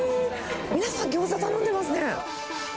皆さん、ギョーザ頼んでますね。